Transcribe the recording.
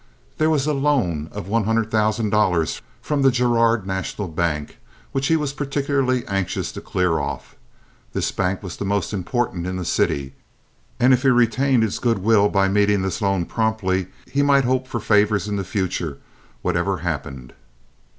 There was a loan of one hundred thousand dollars from the Girard National Bank which he was particularly anxious to clear off. This bank was the most important in the city, and if he retained its good will by meeting this loan promptly he might hope for favors in the future whatever happened.